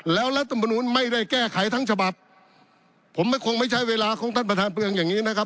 แล้วรัฐมนุนไม่ได้แก้ไขทั้งฉบับผมไม่คงไม่ใช้เวลาของท่านประธานเปลืองอย่างนี้นะครับ